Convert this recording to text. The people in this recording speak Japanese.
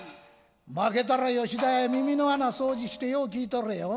負けたら吉田屋耳の穴掃除してよう聞いとれよ。